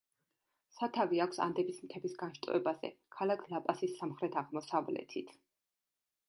სათავე აქვს ანდების მთების განშტოებაზე, ქალაქ ლა-პასის სამხრეთ-აღმოსავლეთით.